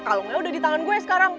kalungnya udah di tangan gue sekarang